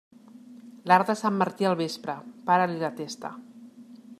L'arc de Sant Martí al vespre, para-li la testa.